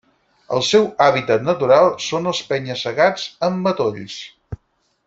El seu hàbitat natural són els penya-segats amb matolls.